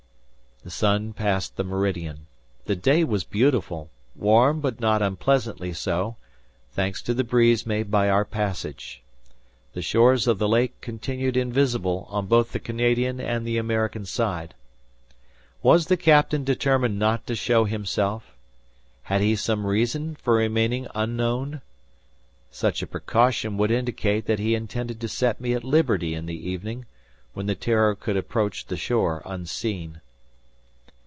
The sun passed the meridian. The day was beautiful; warm but not unpleasantly so, thanks to the breeze made by our passage. The shores of the lake continued invisible on both the Canadian and the American side. Was the captain determined not to show himself? Had he some reason for remaining unknown? Such a precaution would indicate that he intended to set me at liberty in the evening, when the "Terror" could approach the shore unseen.